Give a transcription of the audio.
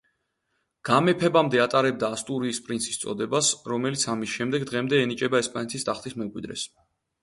გამეფებამდე ატარებდა ასტურიის პრინცის წოდებას, რომელიც ამის შემდეგ დღემდე ენიჭება ესპანეთის ტახტის მემკვიდრეს.